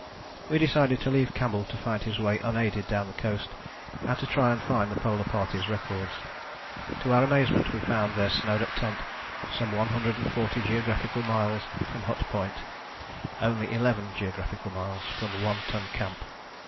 We decided to leave Campbell to find his way unaided down the coast, and to try and find the Polar Party's records. To our amazement we found their snowed up tent some 140 geographical miles from Hut Point, only 11 geographical miles from One Ton Camp.